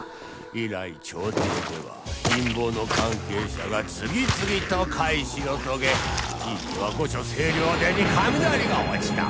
以来朝廷では陰謀の関係者が次々と怪死を遂げひいては御所清涼殿に雷が落ちた